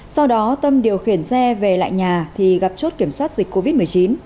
sau đó tâm điều khiển xe về lại nhà thì gặp chốt kiểm soát dịch covid một mươi chín